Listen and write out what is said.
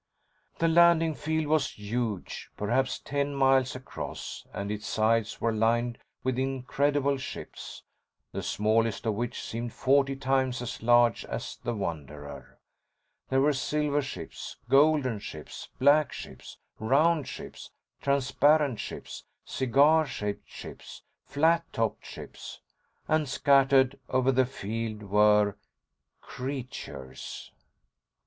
The landing field was huge, perhaps ten miles across, and its sides were lined with incredible ships, the smallest of which seemed forty times as large as the Wanderer. There were silver ships, golden ships, black ships, round ships, transparent ships, cigar shaped ships, flat topped ships. And scattered over the field were—creatures.